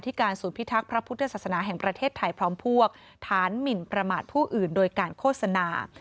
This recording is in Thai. การศูนย์พิทักษ์พระพุทธศาสนาแห่งประเทศไทยพร้อมพวกฐานหมินประมาทผู้อื่นโดยการโฆษณา